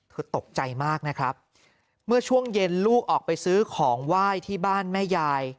ตกใจมากนะครับเมื่อช่วงเย็นลูกออกไปซื้อของไหว้ที่บ้านแม่ยาย